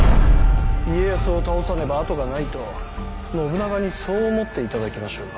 家康を倒さねば後がないと信長にそう思っていただきましょう。